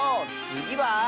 つぎは。